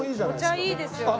お茶いいですよね。